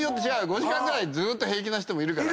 ５時間ぐらいずーっと平気な人もいるから。